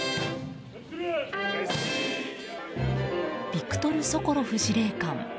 ビクトル・ソコロフ司令官。